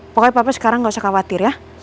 pokoknya papa sekarang gausah khawatir ya